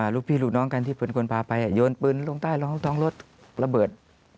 ลูกพี่ลูกน้องที่พลขนพาไปโยนปืนลงใต้ล้องท้องรถระเบิด